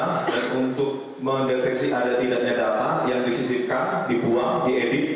dan untuk mendeteksi ada tidaknya data yang disisipkan dibuang diedit